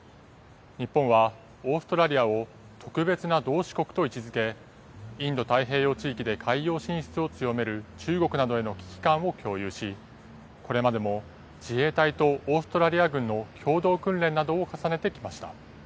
日本はオーストラリアを特別な同志国と位置づけインド太平洋地域で海洋進出を強める中国などへの危機感を共有し、これまでも自衛隊とオーストラリア軍の共同訓練などを重ねてきました。